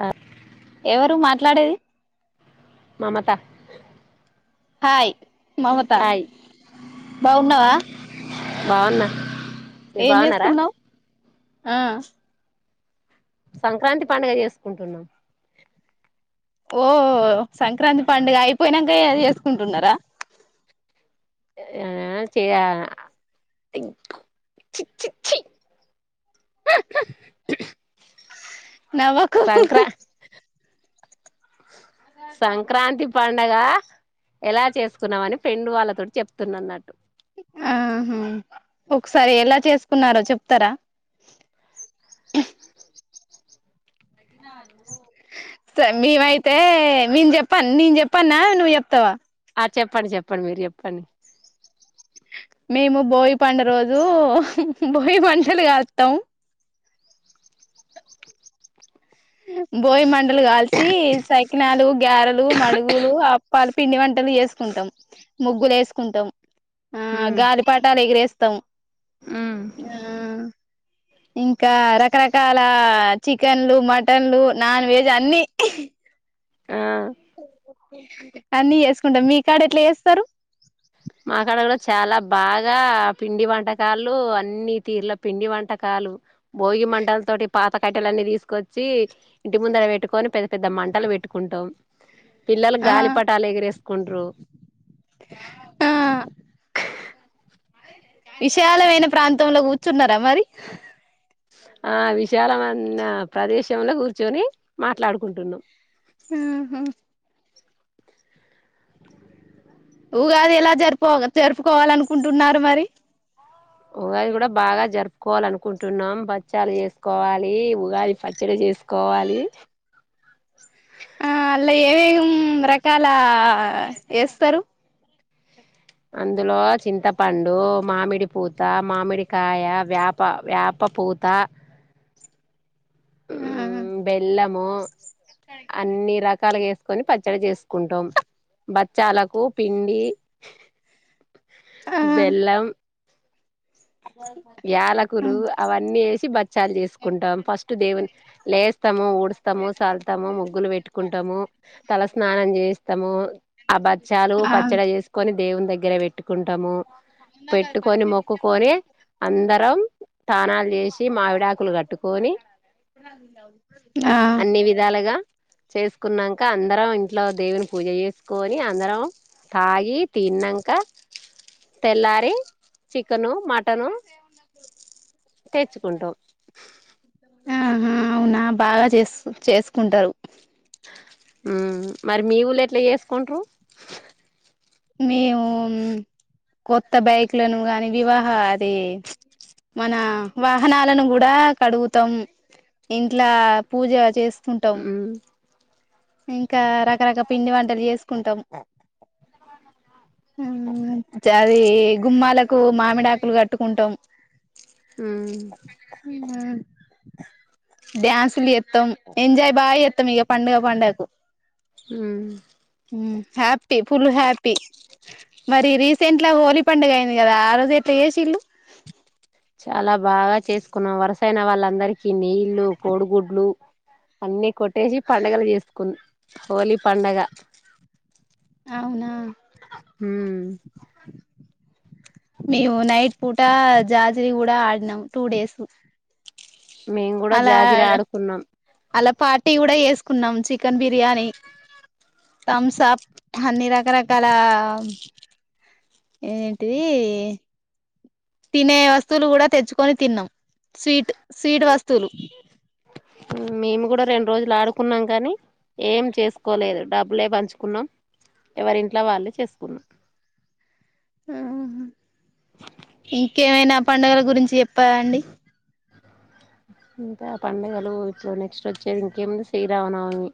ఆ ఎవరు మాట్లాడేది మమత హాయ్ మమత హాయ్ బాగున్నావా బాగున్నా మీరు ఏం బాగున్నారా చేస్తున్నావు్ ఆ సంక్రాంతి పండుగ చేసుకుంటున్నాం ఓ సంక్రాంతి పండుగ అయిపోయినాక చేసుకుంటున్నారా ఏ చే చీ చీ నవకు సంక్రాంతి పండగ ఎలా చేసుకున్నామ అని ఫ్రెండ్డు వాళ్ళతో చెప్త న్నట్టు ఆహా ఒకసారి ఎలా చేసుకున్నారో చెప్తారా స మేవైతే నేను చెప్పను నేను చెప్పన్నా నువ్వు చెప్తావా ఆ చెప్పండి చెప్పండి మీరు చెప్ పనీ మేము బోయి పండ రోజు బోయి పంటలు కాస్తాము ఆ భోయ్ మండలు కాల్ తీ సైకినాలు గారెలు మడుగులు అప్పాలు పిండి వంటలు వేసుకుంటాం ముగ్గులు వేసుకుంటాం ఆ గాలి పాటాలు ఎగరేస్ త్తం ఆ ఇంకా రకరకాల చికెన్లు మటన్లు నాన్ వెజ్ అన్ని ఆ అన్నీ చేసుకుంటాం మీ కాడ ఎట్లా చేస్తారు మాక్కడలో చాలా బాగా పిండి వంటకాలు అన్ని తీరులో పిండి వంటకాలు భోగి మంటల తోటి పాత కట్టలన్ని తీసుకొచ్చి ఇంటి ముందర పెట్టుకని పెద్ద పెద్ద మంటలు పెట్టుకుంటాం పిల్లలు ఆ గాలిపటాలు ఎగిరేసుకుంటారు ఆ విశాలమైన ప్రాంతంలో కూర్చున్నారా మరి ఆ విశాలమైన ప్రదేశంలో కూర్చొని మాట్లాడుకుంటున్నాం ఉమ్ హు ఉగాది ఇలా జరుపు జరుపుకోవాల అనుకుంటున్నారు మరి ఉగాది కూడా బాగా జరుపుకోవాలీ అనుకుంటున్నాం బచ్చలు చేసుకోవాలి ఉగాది పచ్చడి చేసుకోవాలి ఆ అలే ఏం రాక్ ఇకా అలా వేస్తారు అందులో చింతపండు మామిడి పూత మామిడికాయ వేప వేప పూత ఆ ఉమ్ బెల్లము అన్ని రకాలుగా వేస్త్ కొని పచ్చడి చేస్ కుంటాం బచ్చాలకు పిన్ ఈ ఆ బెల్లం యాలకులు అవన్నీ వేసి బచ్చాలు చేసుకుంటాము ఫస్ట్ దేవుని లేస్తాము ఊడ్స్తాము చల్తాము ముగ్గులు పెట్టుకుంటాము తలస్నానం చేస్తాము ఆ బచ్చాలు ఆ పచ్చడి చేసుకొని దేవుని దగ్గర గ్రవట్ పెట్టుకుంటాము పెట్టుకొని మొక్కుకొని అందరం స్థానాల చేసి మావిడాకులు కట్టుకొని అన్ని విధాలుగా చేసుకున్నాక అందరం ఇంట్లో దేవుని పూజ చేసుకొని అందరం తాగి తిన్నాక తెల్లారి చి చికెను మ కట్టను తెేచుకుంటోం ఆహ అవునా బాగా చేస్ చేసుకుంటారు మరి మీ ఊళ్ళ ఎట్లా చేసుకుంటారు మేము కొత్త బైక్లను గాని వివాహ అది మన వాహనాలను కూడా కడుగుతాం ఇంట్లా పూజ చేస్తా ఉంటాము ఉమ్ ఇంకా రకరక పిండి వంటలు చేసుకుంటాం [inaudible] అది గుమ్మాలకు మామిడా ఆకులు కట్టుకుంటాం ఆ డ్యాన్సులు ఎత్తాం ఎంజాయ్ బాగా ఎత్తాం ఇక పండుగ పడుగకు అ హ్యాఫ ఫుల్ హ్యాఫ మరి రీసెంట్ లా హోలీ పండుగ అయింది కదా ఆ రోజు ఎట్లా ఏసి ఇల్లు చాలా బాగా చేసుకున్నాం వరుసన వాళ్ళందరికీ నీళ్లు కోడుగుడ్లు అన్ని కొట్టేసి పడుగలు చేసుకున్నా హోలీ పండగ అవునా ఉమ్ మేము నైట్ పూట జాజరి కూడా ఆడినాం టూ డేస్ మేము కూడా అలా జాజిరా ఆడుకున్నాం అలా పార్టీ కూడా వేసుకున్నాం చికెన్ బిర్యానీ థమ్సాప్ అన్ని రకరకాల ఏంటిది తినే వస్తువులు కూడా తెచ్చుకొని తిన్నాం స్వీట్ స్వీట్ వస్తువులు మేము కూడా రెండు రోజులు ఆడుకున్నాం కానీ ఏం చేసుకోలేదు డబ్బులే పంచుకున్నాం ఎవరింట్లో వాళ్ళే చేసుకున్నాం ఆ ఇంకేమైనా పండుగల గురించి చెప్ప అండి ఇకా పండగలు ఇట్లో నెక్స్ట్ వచ్చేది ఇంకేముంది చేయరావనమి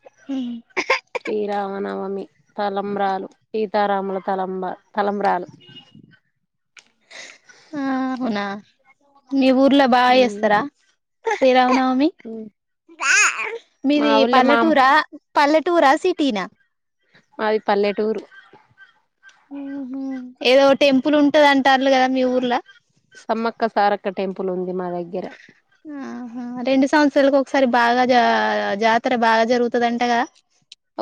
హ శ్రీరామనవమి తలంబ్రాలు ఇ సతారాముల తలంబ తలంబాలు ఆ ఉవునా మీ ఊర్లో బాగా చేస్తారా సరవునా హ బ మీది పల్లెటూరా పల్లెటూరా సిటీనా అది పల్లెటూరు ఏదో టెంపుల్ ఉంటది అంటారు కదా మీ ఊర్లా సమ్మక్క సారక్క టెంపుల్ ఉంది మా దగ్గర ఆ రెండు సంవత్సరాాలకు ఒకసారి బాగా జ జాతర బాగా జరుగుతుదింటగా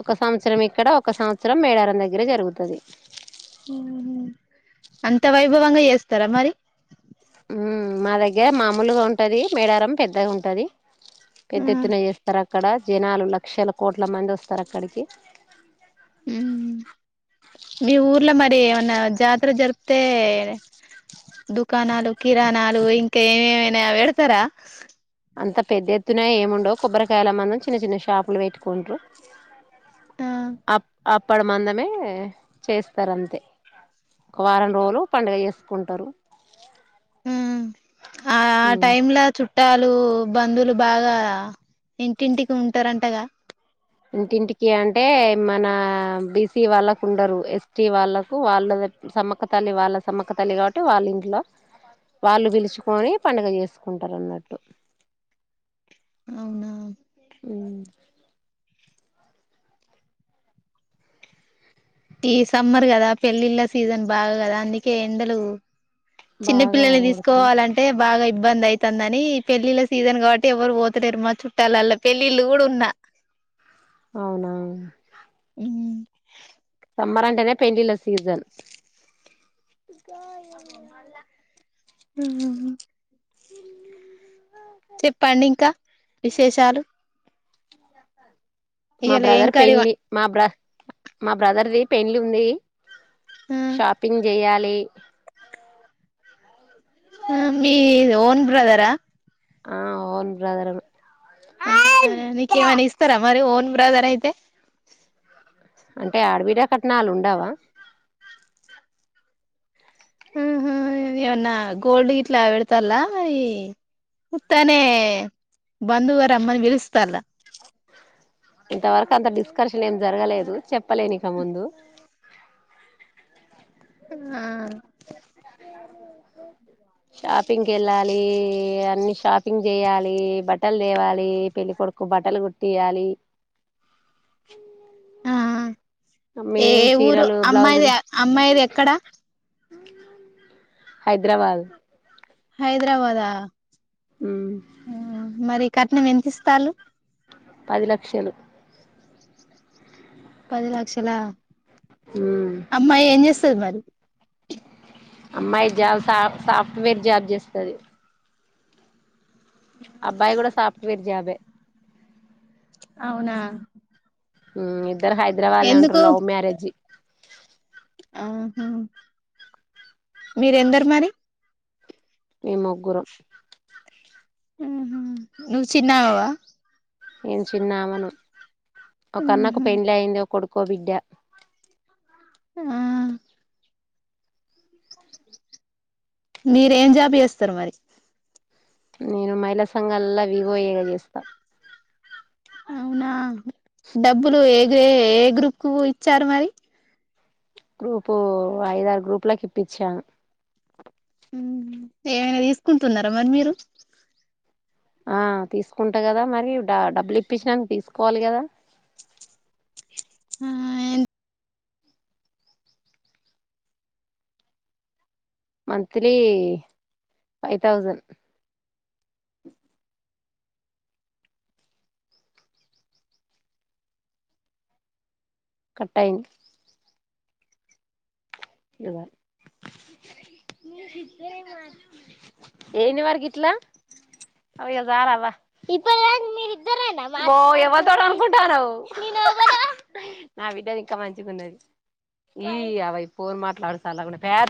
ఒక సంవత్సరం ఇక్కడ ఒక సంవత్సరం మేడారం దగ్గర జరుగుతుంది అంత వైభవంగా చేస్తారా మరి హుమ్ మా దగ్గర మామూలుగా ఉంటది మేడారం పెద్దగా ఉంటది పెద్ద ఎత్త్తిన చేస్తారా అక్కడ జనాలు లక్షల కోట్ల మంది వస్తారు అక్కడికి మీ ఊర్లో మరి ఏమన్నా జాతర జరిపితే దుకాణాలు కిరాణాలు ఇంకా ఏమేమైనా పెడతారా అంత పెద్ద ఎత్తున ఏముండవు కొబ్బరికాయల మనం చిన్న చిన్న షాపులు పెట్టుకుంటారు ఆ అప్పడు మందమే చేస్తారు అంతే ఒక వారం రోజులు పండుగ చేసుకుంటారు హ ఆ ఆ ఉమ్ టైమ్లా చుట్టాలు బంధువులు బాగా ఇంటింటికి ఉంటారంటగా ఇంటింటికి అంటే మన బీసీ వాళ్ళకు ఉండరు ఎస్టీ వాళ్ళకు వాళ్ళ సమ్మక్క తల్లి వాళ్ళ సమ్మక్క తల్లి కాబట్టి వాళ్ళ ఇంట్లో వాళ్ళు పిలుచుకొని పండుగ చేసుకుంటారు అన్నట్టు అవునా [inaudible] ఈ సమ్మర్ కదా పెళ్ళిళ్ళ సీజన్ బాగా కదా అందుకే ఎండలు బాగా చిన్నపిల్లల్ని కొడుతుంది తీసుకోవాలంటే బాగా ఇబ్బంది అయితుందని పెళ్ళిళ్ళ సీజన్ కాబట్టి ఎవరు పోతలేరు మా చుట్టాలల్లా పెళ్ళిళ్ళు కూడా ఉన్నా అవునవును [inaudible] సమ్మర్ అంటేనే పెళ్ళిళ్ళ సీజన్ [inaudible] చెప్పండి ఇంకా విశేషాలు [inaudible] మా ఇయ్యాల ఏం బ్రదర్ కర్రీ వం పెండ్లి మా బ్ర మా బ్రదర్ది పెళ్లి ఉంది షాపింగ్ చేయాల్ ఏ ఆ మీ ఓన్ బ్రదరా ఆ ఓన్ బ్రదరు నీకేమైనా ఇస్తారా మరి ఓన్ బ్రదర్ అయితే అంటే ఆడబిడ్డ కట్నాలు ఉండవా ఉహుహ్మ్ ఏమన్నా గోల్డ్ గిట్లా వెడతలా ఈ ఉత్తానే బంధువరమ్మని పిలుస్తాన్లా ఇంతవరకు అంత డిస్కార్షన్ ఏం జరగలేదు. చెప్పలేన్ ఇక ముందు ఆ [inaudible] షాపింగ్కెళ్ళాలీ అన్ని షాపింగ్ చేయాలీ బట్టలు తేవాలీ పెళ్ళికొడుకు బట్టలు కుట్టియాలీ ఆ ఏ ఊరు చీరలు అమ్మాయిది అమ్మాయిది ఎక్కడా హైద్రాబాదు హైదరాబాదా ఉమ్ మరీ కట్నం ఎంత ఇస్తాన్లు. పది లక్షలు. పది లక్షలా! ఉమ్ అమ్మాయి ఏం చేస్ చెత్తది మరి అమ్మాయి జాబ్ సా సాఫ్ట్వేర్ జాబ్ చేస్తది. అబ్బాయి గూడా సఫ్ట్వేర్ జాబే. అవునా! హ్ హైదరాబాద్లనే ఉంటారు. లవ్ మ్యారేజి ఆహ మీరెందరు మరి మేం ముగ్గురం. ఉహు నువ్ చిన్నామవా. నేను చిన్నామను. ఒక అన్నకు ఉహు పెండ్లి అయింది. ఒక కో బిడ్డ ఆ మీరు ఏం జాబ్ చేస్తారు మరి. నేను మహిళా సంఘాలల్ల వివోఏగా చేస్తా. అవునా డబ్బులు ఏ ఏ గ్రూప్కి ఇచ్చారు మరి. గ్రూపు ఐదార్ గ్రూప్లకి ఇప్పించాను. ఏమైనా తీసుకుంటున్నారా మరి మీరు. ఆ తీసుకుంటా కదా మరి డ డబ్బులు ఇప్పించినాంక తీసుకోవాలి కదా. ఆ మంతంత్లీ ఫైవ్ థౌసండ్. కట్టాయిన్. ఏంది మరి గిట్లా ఇగ సాల్ అవ్వ ఇప్పటిదాకా మీరు ఇద్దరేనా మాట్లాడు ఓ ఎవ్వల్ తోటి అనుకుంటానవు. నేను ఎవలో నా బిడ్డది ఇంకా మంచిగాన్నది ఈ అవ, పోన్ మాట్లాడుత సాలే